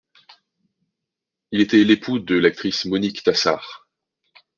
Il était l'époux de l'actrice Monique Tassart.